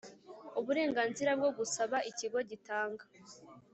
uburenganzira bwo gusaba Ikigo gitanga